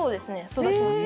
育ちます。